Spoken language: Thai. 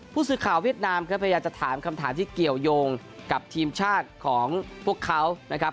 ผู้สื่อข่าวเวียดนามครับพยายามจะถามคำถามที่เกี่ยวยงกับทีมชาติของพวกเขานะครับ